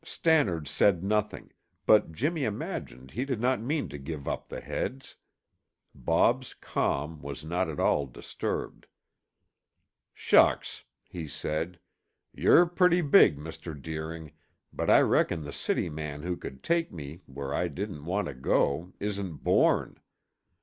Stannard said nothing, but Jimmy imagined he did not mean to give up the heads. Bob's calm was not at all disturbed. "Shucks!" he said. "You're pretty big, Mr. Deering, but I reckon the city man who could take me where I didn't want to go isn't born.